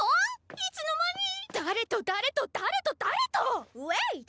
いつのまに⁉誰と誰と誰と誰と⁉Ｗａｉｔ！